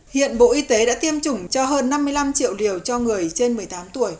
hiện bộ y tế đã tiêm chủng cho hơn năm mươi năm triệu liều cho người trên một mươi tám tuổi